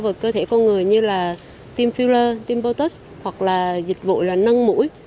vào cơ thể con người như là team filler team botox hoặc là dịch vụ là nâng mũi